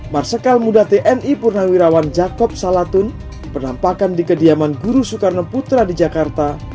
marsikal muda tni purnawirawan jakob salatun penampakan di kediaman guru soekarno putra di jakarta